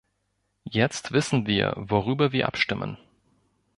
Jetzt wissen wir, worüber wir abstimmen.